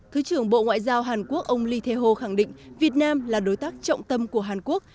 thứ trưởng bộ ngoại giao hàn quốc ông lee tae ho khẳng định việt nam là đối tác trọng tâm của hàn quốc